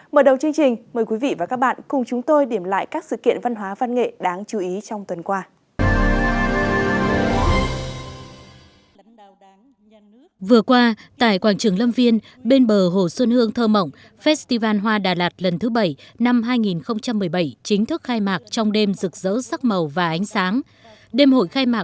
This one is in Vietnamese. mở đầu chương trình mời quý vị và các bạn cùng chúng tôi điểm lại các sự kiện văn hóa văn nghệ đáng chú ý trong tuần qua